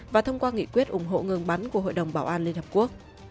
và thông qua nghị quyết ủng hộ ngừng bắn của hội đồng bảo an liên hợp quốc